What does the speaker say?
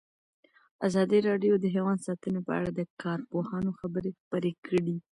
ازادي راډیو د حیوان ساتنه په اړه د کارپوهانو خبرې خپرې کړي.